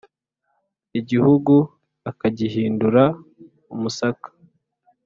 igihugu akagihindura umusaka"